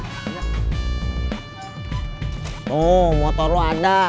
tuh motor lu ada